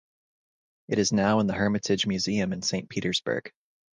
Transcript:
It is now in the Hermitage Museum in St Petersburg.